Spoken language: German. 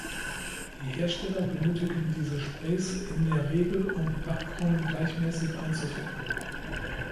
Die Hersteller benötigen diese Sprays in der Regel, um Backformen gleichmäßig einzufetten.